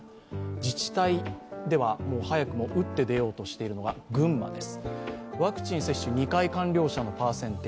自治体ではもう早くも打って出ようとしているのが群馬です。